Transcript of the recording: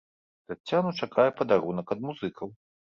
Таццяну чакае падарунак ад музыкаў.